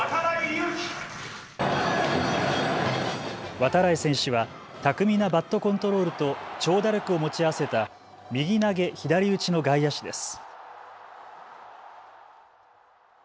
度会選手は巧みなバットコントロールと長打力を持ち合わせた右投げ左打ちの外野手です。